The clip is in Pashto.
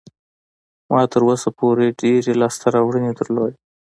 ما تر اوسه پورې ډېرې لاسته راوړنې درلودې.